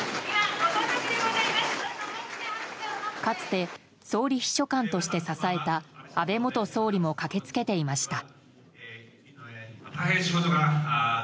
かつて総理秘書官として支えた安倍元総理も駆けつけていました。